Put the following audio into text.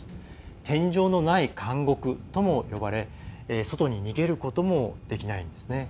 天井のない監獄とも呼ばれ外に逃げることもできないんです。